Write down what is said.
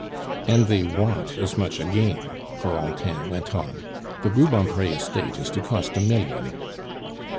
"And they want as much again," Corentin went on. "The Rubempre estate is to cost a million.